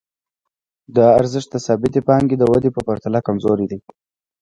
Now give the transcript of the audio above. دا ارزښت د ثابتې پانګې د ودې په پرتله کمزوری دی